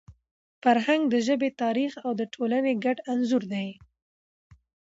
فرهنګ د ژبي، تاریخ او ټولني ګډ انځور دی.